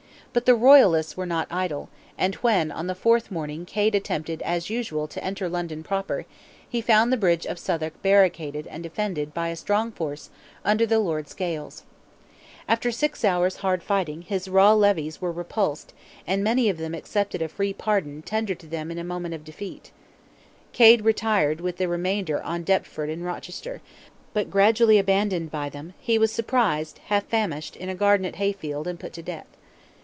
But the royalists were not idle, and when, on the fourth morning Cade attempted as usual to enter London proper, he found the bridge of Southwark barricaded and defended by a strong force under the Lord Scales. After six hours' hard fighting his raw levies were repulsed, and many of them accepted a free pardon tendered to them in the moment of defeat. Cade retired with the remainder on Deptford and Rochester, but gradually abandoned by them, he was surprised, half famished in a garden at Heyfield, and put to death.